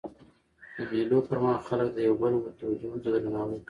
د مېلو پر مهال خلک د یو بل دودونو ته درناوی کوي.